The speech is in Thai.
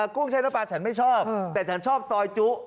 กุ้งใช้น้ำปลาฉันไม่ชอบแต่ฉันชอบซอยจุ